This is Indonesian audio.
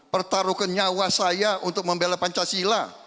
pertaruhkan nyawa saya untuk membela pancasila